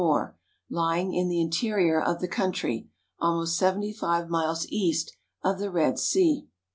ASIATIC TURKEY 347 lying in the interior of the country, about seventy five miles east of the Red Sea.